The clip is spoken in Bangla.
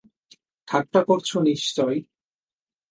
ঠাট্টা করছ নিশ্চয়ই।